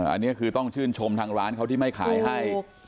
อันนี้คือต้องชื่นชมทางร้านเขาที่ไม่ขายให้